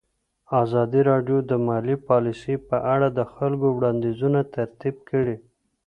ازادي راډیو د مالي پالیسي په اړه د خلکو وړاندیزونه ترتیب کړي.